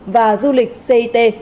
và du lịch cit